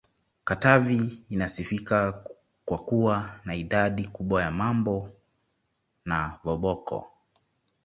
Katavi inasifika kwa kuwa na idadi kubwa ya Mambo na voboko n